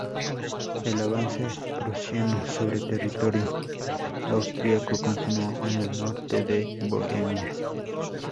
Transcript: El avance prusiano sobre territorio austriaco continuó en el norte de Bohemia.